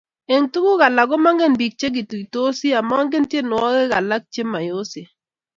Eng tuguk alak komangen biik chekituitosi, amangen tyenwogik alak chemayosen